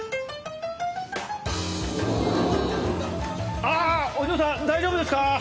ああお嬢さん大丈夫ですか？